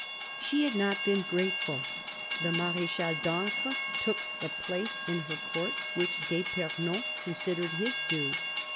She had not been grateful : the Marechal d'Ancre took the place in her court which d'fipernon considered his due.